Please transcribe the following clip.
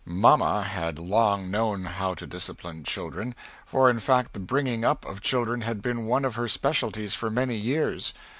Mamma had long known how to disciplin children, for in fact the bringing up of children had been one of her specialties for many years.